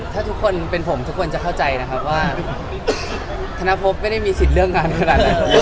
ถ้าทุกคนเป็นผมทุกคนจะเข้าใจนะครับว่าธนภพไม่ได้มีสิทธิ์เรื่องงานขนาดนั้น